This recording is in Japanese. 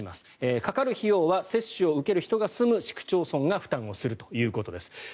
かかる費用は接種を受ける人が住む市区町村が負担をするということです。